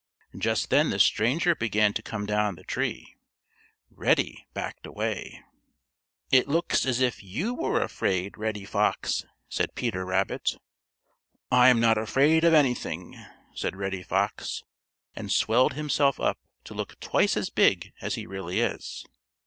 Just then the stranger began to come down the tree. Reddy backed away. "It looks as if you were afraid, Reddy Fox," said Peter Rabbit. "I'm not afraid of anything," said Reddy Fox, and swelled himself up to look twice as big as he really is.